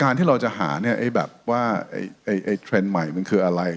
และที่เราจะหาที่ว่าเทรนด์ใหม่คืออะไร